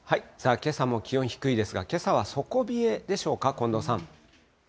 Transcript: けさも気温低いですが、けさは底冷えでしょうか、近藤さん。